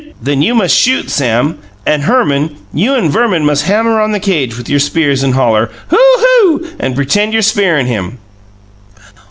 Then you must shoot, Sam and Herman, you and Verman must hammer on the cage with your spears, and holler: 'Hoo! Hoo!' and pretend you're spearin' him."